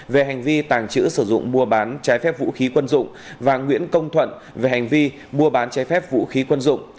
về hành vi tàng trữ sử dụng mua bán trái phép vũ khí quân dụng và nguyễn công thuận về hành vi mua bán trái phép vũ khí quân dụng